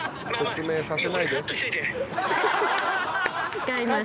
使います。